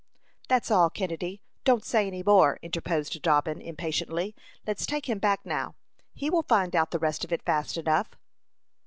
"That's all, Kennedy; don't say any more," interposed Dobbin, impatiently. "Let's take him back now. He will find out the rest of it fast enough."